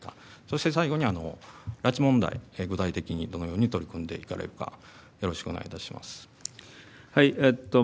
そして最後に拉致問題具体的にどのように取り組んでいかれるかよろしくお願いいたします。